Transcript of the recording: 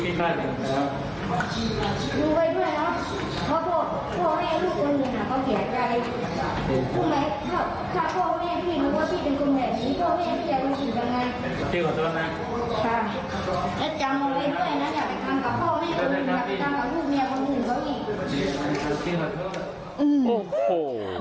ขอโทษนะค่ะและกำลังไปด้วยนะอยากไปตามกับพ่อแม่คนหนึ่ง